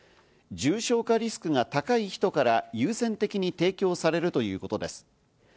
重症化リスクが高い人から優先的に提供されるということです。